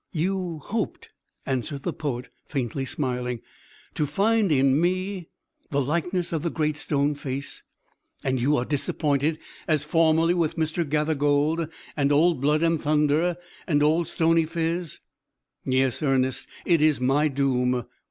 "You hoped," answered the poet, faintly smiling, "to find in me the likeness of the Great Stone Face. And you are disappointed, as formerly with Mr. Gathergold, and Old Blood and Thunder, and Old Stony Phiz. Yes, Ernest, it is my doom.